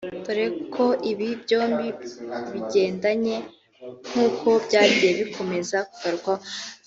dore ko ibi byombi bigendanye nk’uko byagiye bikomeza kugarukwaho